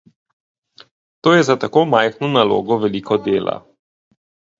To je za tako majhno nalogo veliko dela.